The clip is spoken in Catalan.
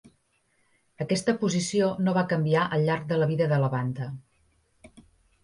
Aquesta posició no va canviar al llarg de la vida de la banda.